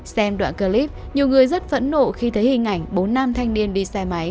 xem đoạn clip nhiều người rất phẫn nộ khi thấy hình ảnh bốn nam thanh niên đi xe máy